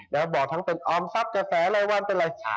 แล้วบอกทั้งเป็นออมทรัพย์กาแฟอะไรว่านเป็นอะไร